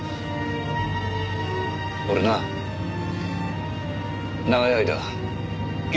俺な長い間よ